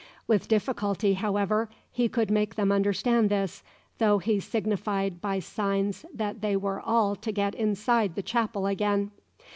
With difficulty, however, he could make them understand this, though he signified by signs that they were all to get inside the chapel again.